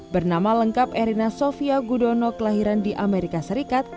bernama lengkap erina sofia gudono kelahiran di amerika serikat